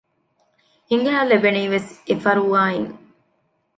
ހިނގައިލެވެނީ ވެސް އެފަރުވާ އިން